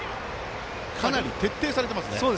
かなり徹底されていますね。